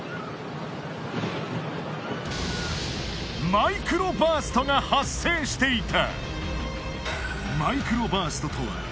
マイクロバーストが発生していた